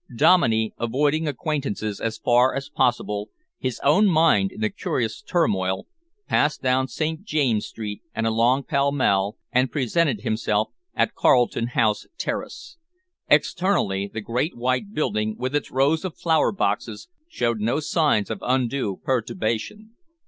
Dominey, avoiding acquaintances as far as possible, his own mind in a curious turmoil, passed down St. James's Street and along Pall Mall and presented himself at Carlton House Terrace. Externally, the great white building, with its rows of flower boxes, showed no signs of undue perturbation.